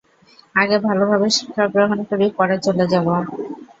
আগে ভালোভাবে শিক্ষা গ্রহণ করি, পরে চলে যাবো।